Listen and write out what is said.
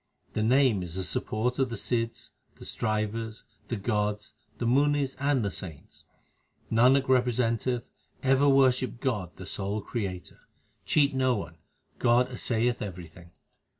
The Name is the support of the sidhs, the strivers, the gods, the munis, and the saints. Nanak representeth, ever worship God the sole Creator. Cheat no one ; God assayeth everything.